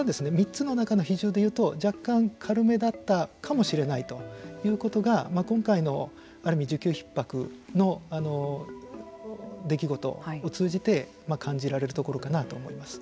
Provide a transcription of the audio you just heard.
３つの中の比重でいうと若干軽めだったかもしれないということが今回の需給ひっ迫の出来事を通じて感じられるところかなと思います。